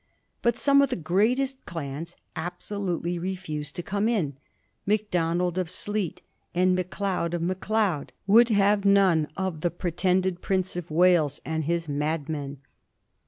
But some of the greatest clans ab solutely refused to come in. Macdonald of Sleat, and Macleod of Macleod, would have none of the '^ pretended Prince of Wales" and his "madmen."